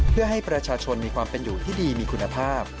เพื่อให้ประชาชนมีความเป็นอยู่ที่ดีมีคุณภาพ